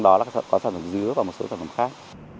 đó là có sản phẩm dứa và một số sản phẩm khác